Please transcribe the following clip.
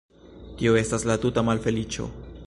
Tio estas la tuta malfeliĉo!